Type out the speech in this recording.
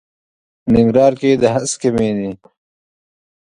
ننګرهار کې د هسکې مېنې.